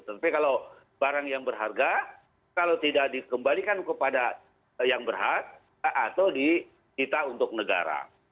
tetapi kalau barang yang berharga kalau tidak dikembalikan kepada yang berhak atau disita untuk negara